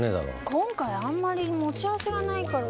今回あんまり持ち合わせがないから。